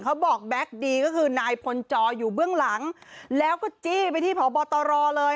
แกบอกแก๊คดีก็คือนายพลจออยู่เบื้องหลังแล้วก็จี้ไปที่พบตรเลย